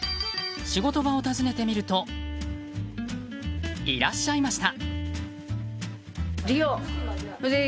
仕事場を訪ねてみるといらっしゃいました。